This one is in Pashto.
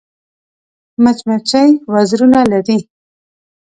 مچمچۍ وزرونه لري